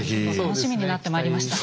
楽しみになってまいりました。